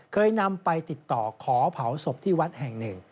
เคยนำไปติดต่อขอเผาศพที่วัดแห่งหนึ่ง